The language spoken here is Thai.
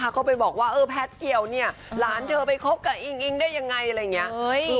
ค้ะก็ไปบอกว่าแพทเกี่ยวล้านเธอไปคบกับอิงอิงอะไรแบบนี้